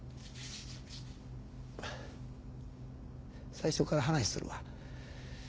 最初から話するわ。